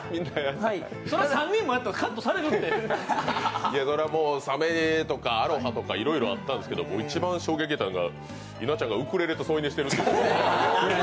そりゃ、３人もやったらカットされるってサメとかアロハとかいろいろあったんですけど、一番衝撃やったんが、稲ちゃんがウクレレと添い寝してるの。